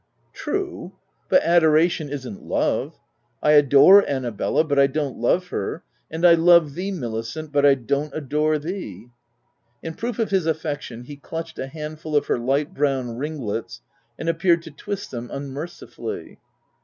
"True, but adoration isn't love. I adore Annabella, but I don't love her; and I love thee Milicent, but I don't adore thee." In proof of his affection, he clutched a handful of her light brown ringlets and appeared to twist them un mercifully.